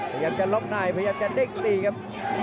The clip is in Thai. พยายามจะล็อกในพยายามจะเด้งตีครับ